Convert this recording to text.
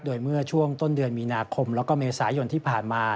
โดยเมื่อช่วงต้นเดือนมีนาคมแล้วก็เมษายนที่ผ่านมา